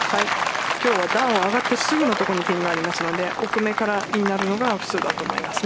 今日は段を上がってすぐの所にピンがありますので奥目からいくのが普通だと思います。